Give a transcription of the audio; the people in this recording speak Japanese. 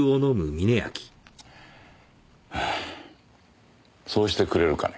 はあそうしてくれるかね。